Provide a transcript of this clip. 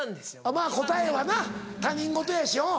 まぁ答えはな他人事やしうん。